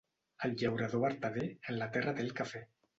El llaurador vertader, en la terra té el quefer.